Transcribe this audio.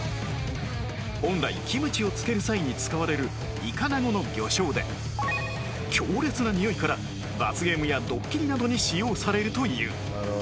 本来キムチを漬ける際に使われるイカナゴの魚醤で強烈なにおいから罰ゲームやどっきりなどに使用されるという